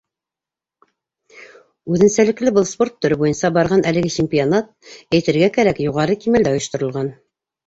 Үҙенсәлекле был спорт төрө буйынса барған әлеге чемпионат, әйтергә кәрәк, юғары кимәлдә ойошторолған.